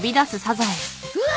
うわ！